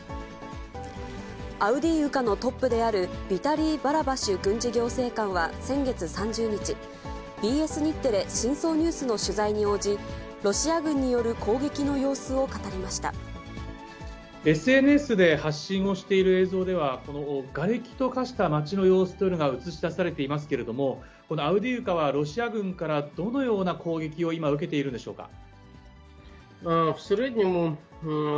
アウディーウカのトップであるビタリー・バラバシュ軍事行政官は先月３０日、ＢＳ日テレ、深層ＮＥＷＳの取材に応じ、ロシア軍による攻撃の様子を語りＳＮＳで発信をしている映像では、このがれきと化した町の様子というのが写し出されていますけれども、このアウディーウカはロシア軍からどのような攻撃を今、受けているんでしょうか。